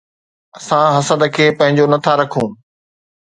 اسان حسد کي پنهنجو نه ٿا رکون